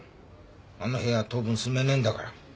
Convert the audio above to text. あの部屋は当分住めねえんだから。